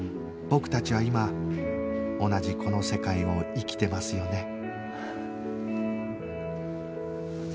僕たちは今同じこの世界を生きてますよね？